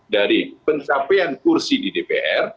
dari pencapaian kursi di dpr